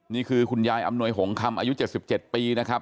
นี่คือคุณยายอำนวยหงคำอายุ๗๗ปีนะครับ